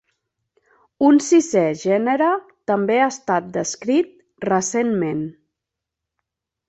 Un sisè gènere també ha estat descrit recentment.